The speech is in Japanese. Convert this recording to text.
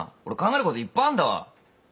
俺考えることいっぱいあんだわ。